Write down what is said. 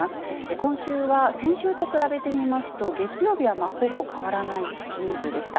今週は先週と比べてみますと、月曜日はほぼ変わらない人数でした。